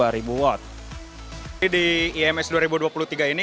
kami membawa mobil listrik yang berkategori formula e ini